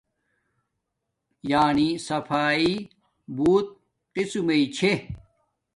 یانی صفایݵ بوتک قسمہ چھے